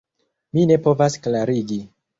Mi ne povas klarigi